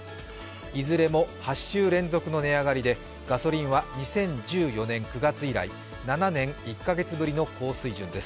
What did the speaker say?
いずれも８週連続の値上がりでガソリンは２０１４年９月以来７年１カ月ぶりの高水準です。